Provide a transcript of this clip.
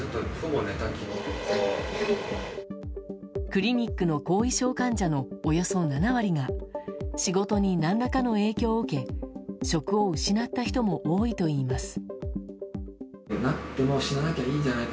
クリニックの後遺症患者のおよそ７割が仕事に何らかの影響を受け職を失った人も多いといいます。